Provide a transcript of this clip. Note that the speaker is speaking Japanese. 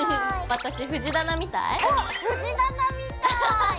私藤棚みたい？